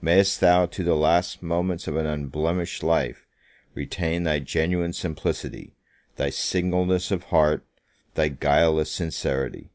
May'st thou, to the last moments of an unblemished life, retain thy genuine simplicity, thy singleness of heart, thy guileless sincerity!